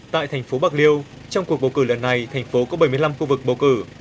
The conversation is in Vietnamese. tại thành phố bạc liêu trong cuộc bầu cử lần này thành phố có bảy mươi năm khu vực bầu cử